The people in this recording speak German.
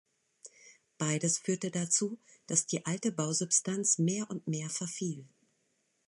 Beides führte dazu, dass die alte Bausubstanz mehr und mehr verfiel.